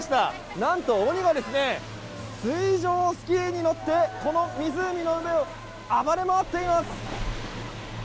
何と鬼が水上スキーに乗ってこの湖の上を暴れ回っています。